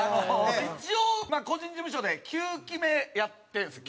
一応まあ個人事務所で９期目やってるんです。